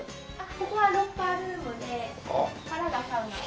ここはロッカールームでここからがサウナです。